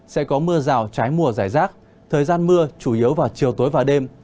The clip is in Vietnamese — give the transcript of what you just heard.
sẽ có mưa rào trái mùa giải rác thời gian mưa chủ yếu vào chiều tối và đêm